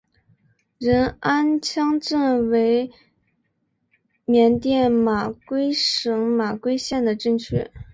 仁安羌镇为缅甸马圭省马圭县的镇区。